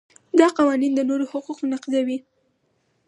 دا قوانین د نورو حقوق نقضوي.